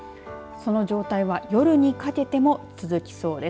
その状態は夜にかけても続きそうです。